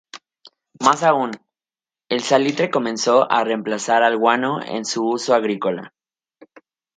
Mas aún, el salitre comenzó a reemplazar al guano en su uso agrícola.